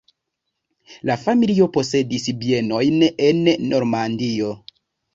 Lia familio posedis bienojn en Normandio.